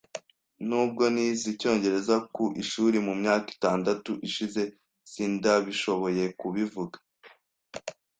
Nubwo nize icyongereza ku ishuri mu myaka itandatu ishize, sindabishoboye kubivuga.